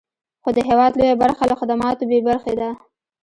خو د هېواد لویه برخه له خدماتو بې برخې ده.